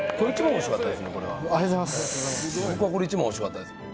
僕はこれ一番おいしかったです